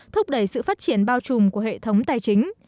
thúc đẩy sự phát triển bao trùm của hệ thống tài chính